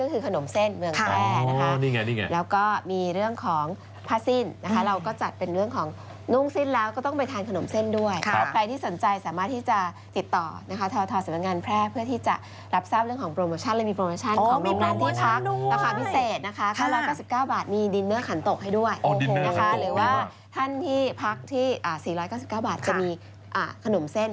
หรือว่าท่านที่พักที่๔๙๙บาทจะมีขนมเส้น